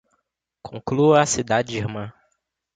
Conclua a cidade-irmã